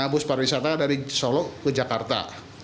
bus pariwisata dari solo ke jakarta